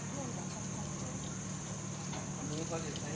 สุดท้ายสุดท้ายสุดท้าย